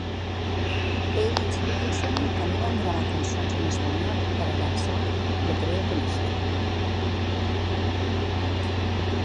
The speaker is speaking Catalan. Paige i Dickson també van gravar cançons en espanyol per a llançar Lo creo conocer.